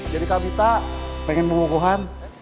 jadi kak mita pengen pemukuhan